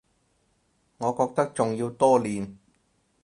我覺得仲要多練